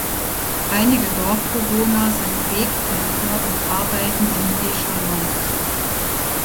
Einige Dorfbewohner sind Wegpendler und arbeiten in Echallens.